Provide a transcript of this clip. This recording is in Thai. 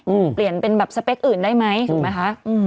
เปลี่ยนเป็นแบบสเปคอื่นได้ไหมถูกไหมคะอืม